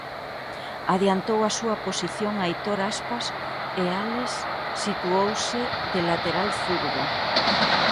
Adiantou a súa posición Aitor Aspas e Álex situouse de lateral zurdo.